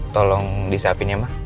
tolong disiapin ya ma